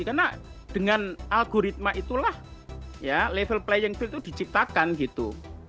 karena dengan algoritma itulah ya level playing field itu diciptakan gitu